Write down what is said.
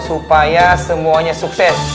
supaya semuanya sukses